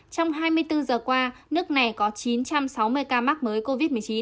trong hai mươi bốn giờ qua nước này có chín trăm sáu mươi ca mắc mới covid một mươi chín